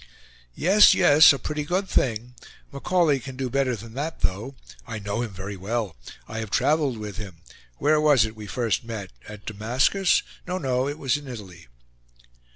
"Yes, yes; a pretty good thing. Macaulay can do better than that though. I know him very well. I have traveled with him. Where was it we first met at Damascus? No, no; it was in Italy."